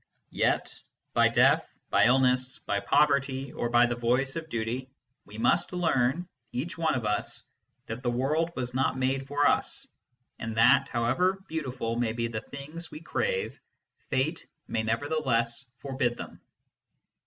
Yet, by death, by illness, by poverty, or by the voice of duty, we must learn, each one of us, that the world was not made for us, and that, however beautiful may be the things we crave, Fate may never theless forbid them.